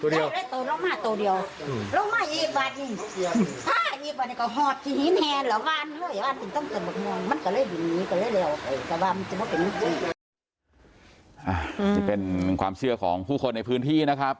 นี่เป็นความเชื่อของผู้คนในพื้นที่นะครับ